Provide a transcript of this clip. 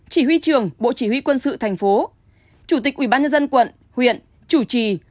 chỉ huy trường bộ chỉ huy quân sự tp chủ tịch ubnd quận huyện chủ trì